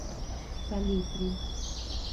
Salitre